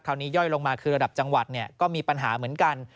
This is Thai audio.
ย่อยลงมาคือระดับจังหวัดก็มีปัญหาเหมือนกัน